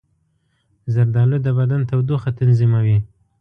زردالو د بدن تودوخه تنظیموي.